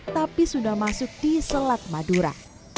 tapi sudah masuk di selat madura